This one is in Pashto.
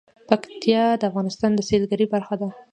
پکتیا د افغانستان د سیلګرۍ برخه ده.